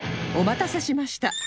お待たせしました